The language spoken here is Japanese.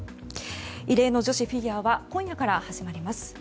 異例の女子フィギュアは今夜から始まります。